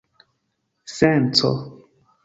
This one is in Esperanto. senco